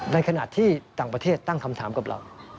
ในขณะที่ต่างประเทศตั้งคำถามกับเรา